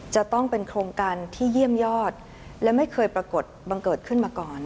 จะต้องเป็นโครงการที่เยี่ยมยอดและไม่เคยปรากฏบังเกิดขึ้นมาก่อน